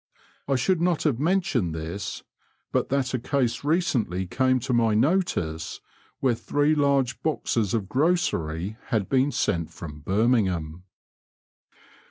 I should not have mentioned this, but that a case recently came to my notice where three large boxes of grocery had been sent from Birmingham.